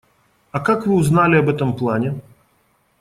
А как вы узнали об этом плане?